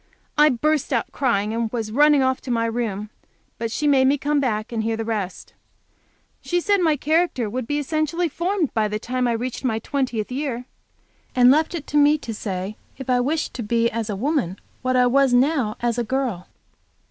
I burst out crying, and was running off to my room, but she made me come back and hear the rest. She said my character would be essentially formed by the time I reached my twentieth year, and left it to me to say if I wished to be as a woman what I was now as a girl.